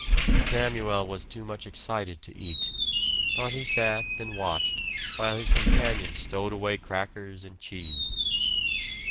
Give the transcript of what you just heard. Samuel was too much excited to eat. But he sat and watched, while his companion stowed away crackers and cheese.